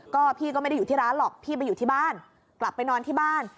ก็พี่ก็ไม่ได้อยู่ที่ร้านหรอกพี่ไปอยู่ที่บ้านกลับไปนอนที่บ้าน